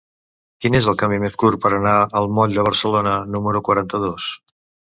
Quin és el camí més curt per anar al moll de Barcelona número quaranta-dos?